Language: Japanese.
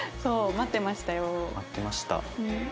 待ってました？